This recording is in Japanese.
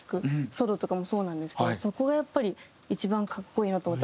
ソロとかもそうなんですけどそこがやっぱり一番格好いいなと思って。